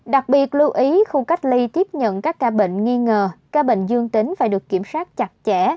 đặc biệt lưu ý khu cách ly tiếp nhận các ca bệnh nghi ngờ ca bệnh dương tính phải được kiểm soát chặt chẽ